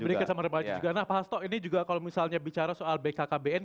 lebih dekat sama remaja juga nah pak hasto ini juga kalau misalnya bicara soal bkkbn